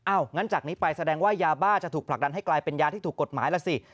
งั้นจากนี้ไปแสดงว่ายาบ้าจะถูกผลักดันให้กลายเป็นยาที่ถูกกฎหมายล่ะสิ